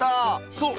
そう。